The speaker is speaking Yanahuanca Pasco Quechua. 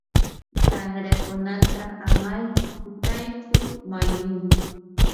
qanrakunata ama qitaychu mayuman.